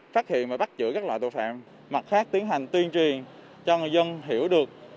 vừa bắt chữa các loại tội phạm mặt khác tiến hành tuyên truyền cho người dân hiểu được